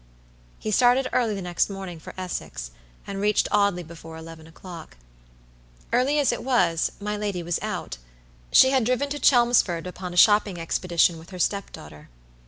He started early the next morning for Essex, and reached Audley before eleven o'clock. Early as it was, my lady was out. She had driven to Chelmsford upon a shopping expedition with her step daughter.